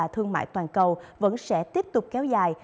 thương mại toàn cầu vẫn sẽ tiếp tục kéo dài